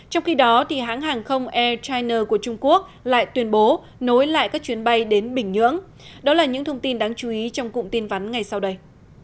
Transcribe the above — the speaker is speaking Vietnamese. trong khi đó hãng hàng không air china của trung quốc lại tuyên bố nối lại các chuyến bay đến bình nhưỡng đó là những thông tin đáng chú ý trong cụm tin vắn ngay sau đây